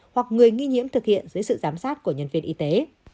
hoặc người nghi nhiễm thực hiện dưới sự giám sát của nhân viên y tế